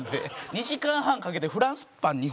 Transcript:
２時間半かけてフランスパン２本ですよ。